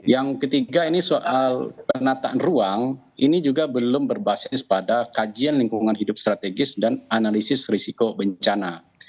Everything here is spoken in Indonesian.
yang ketiga ini soal penataan ruang ini juga belum berbasis pada kajian lingkungan hidup strategis dan analisis risiko bencana